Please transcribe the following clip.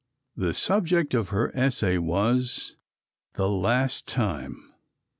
The subject of her essay was "The Last Time."